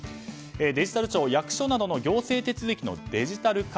デジタル庁は役所などの行政手続きのデジタル化。